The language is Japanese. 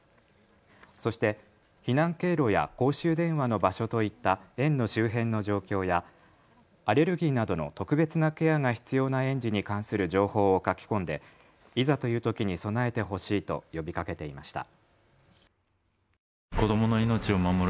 そして避難経路や公衆電話の場所といった園の周辺の状況やアレルギーなどの特別なケアが必要な園児に関する情報を書き込んでいざというときに備えてほしいと呼びかけていました。